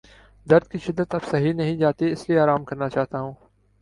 درد کی شدت اب سہی نہیں جاتی اس لیے آرام کرنا چاہتا ہوں